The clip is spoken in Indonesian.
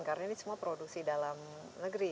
karena ini semua produksi dalam negeri